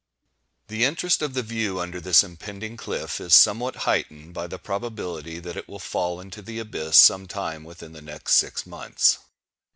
The interest of the view under this impending cliff is somewhat heightened by the probability that it will fall into the abyss sometime within the next six months.